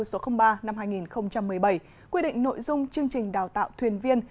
số ba năm hai nghìn một mươi bảy quy định nội dung chương trình đào tạo thuyền viên